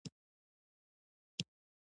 که خبر وای جګړه يې نه کول، نو نه وو خبر.